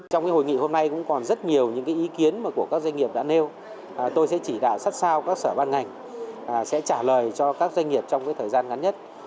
trong hội nghị hôm nay cũng còn rất nhiều những ý kiến của các doanh nghiệp đã nêu tôi sẽ chỉ đạo sát sao các sở ban ngành sẽ trả lời cho các doanh nghiệp trong thời gian ngắn nhất